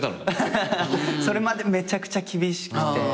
それまでめちゃくちゃ厳しくて。